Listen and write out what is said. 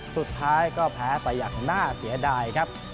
สุดท้ายก็แพ้ไปอย่างน่าเสียดายครับ